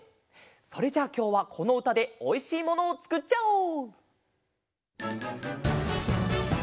それじゃあきょうはこのうたでおいしいものをつくっちゃおう！